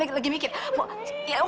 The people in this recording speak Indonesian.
miki lagi mikir apa yang mau dilakuin